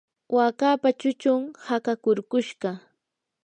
wakapa chuchun hakakurkushqa.